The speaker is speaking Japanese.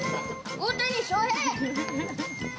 大谷翔平。